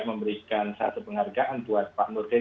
memberikan satu penghargaan buat pak nurdin